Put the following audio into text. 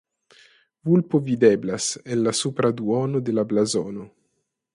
Vulpo videblas en la supra duono de la blazono.